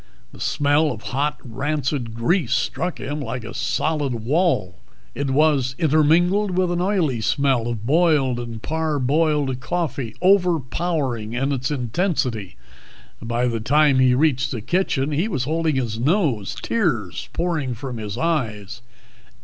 The smell of hot, rancid grease struck him like a solid wall. It was intermingled with an oily smell of boiled and parboiled coffee, overpowering in its intensity. By the time he reached the kitchen he was holding his nose, tears pouring from his eyes.